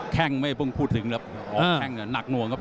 แข้งไม่พึ่งพูดถึงแล้วอ๋อแข้งน่ะหนักหน่วงครับ